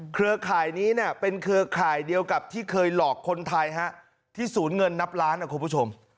เครือข่ายนี้เนี่ยเป็นเครือข่ายเดียวกับที่เคยหลอกคนไทยที่ศูนย์เงินนับล้านนะคุณผู้ชม